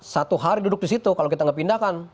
satu hari duduk di situ kalau kita nggak pindahkan